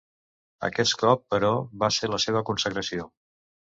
Aquest cop, però, va ser la seva consagració.